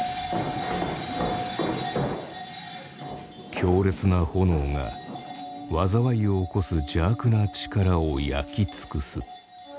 強烈な炎が災いを起こす邪悪な力を焼き尽くす。